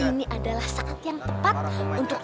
ini adalah saat yang tepat untuk